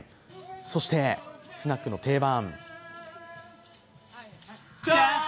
そしてスナックの定番。